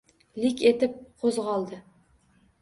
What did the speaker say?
Lik etib qo‘zg‘oldi.